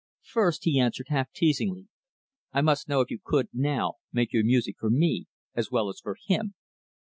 "First," he answered, half teasingly, "I must know if you could, now, make your music for me as well as for him."